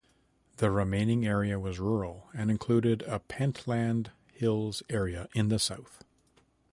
The remaining area was rural, and included a Pentland Hills area in the south.